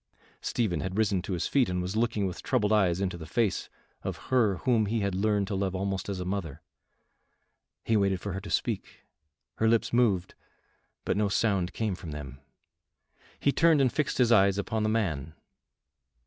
Stephen had risen to his feet and was looking with troubled eyes into the face of her whom he had learned to love almost as a mother. He waited for her to speak. Her lips moved, but no sound came from them. He turned and fixed his eyes upon the man.